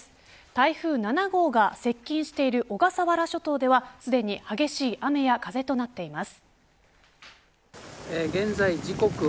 台風７号が接近している小笠原諸島ではすでに激しい雨や風となっています。